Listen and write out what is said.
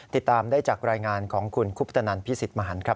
ติดตามได้จากรายงานของคุณคุปตนันพิสิทธิ์มหันครับ